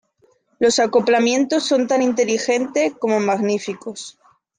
Los acoplamientos son tan inteligente como magníficos".